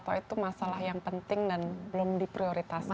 atau itu masalah yang penting dan belum diprioritaskan